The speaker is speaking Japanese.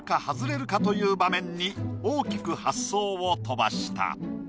外れるか？という場面に大きく発想を飛ばした。